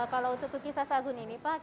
kalau untuk kuki sasagun ini pak